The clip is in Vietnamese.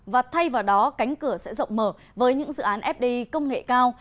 và thay vào đó cánh cửa sẽ rộng mở với những dự án fdi công nghệ cao